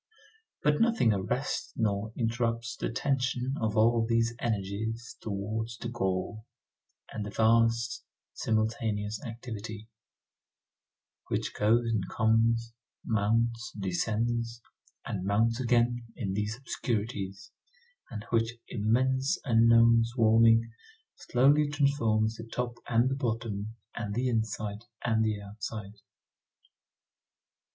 But nothing arrests nor interrupts the tension of all these energies toward the goal, and the vast, simultaneous activity, which goes and comes, mounts, descends, and mounts again in these obscurities, and which immense unknown swarming slowly transforms the top and the bottom and the inside and the outside.